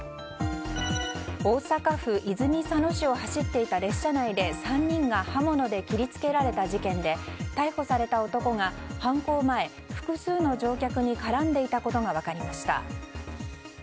大阪府泉佐野市を走っていた列車内で３人が刃物で切り付けられた事件で逮捕された男が犯行前、複数の乗客に絡んでいたことが分かりました。